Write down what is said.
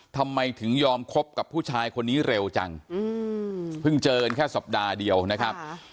ทำไมถึงยอมคบกับผู้ชายคนนี้เร็วจังเพิ่งเจอกันแค่สัปดาห์เดียวนะครับ